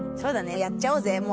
やっちゃおうぜ。